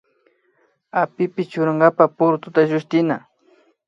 Apipi churankapa purututa llushtina